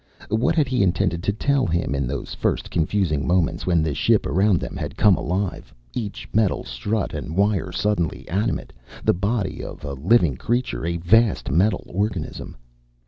What had he intended to tell him, in those first confusing moments when the ship around them had come alive, each metal strut and wire suddenly animate, the body of a living creature, a vast metal organism?